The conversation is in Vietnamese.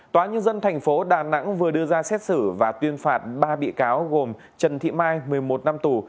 tòa nhân dân tp đà nẵng vừa đưa ra xét xử và tuyên phạt ba bị cáo gồm trần thị mai một mươi một năm tù